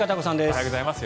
おはようございます。